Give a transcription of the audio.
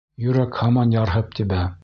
Йөрәк һаман ярһып тибә.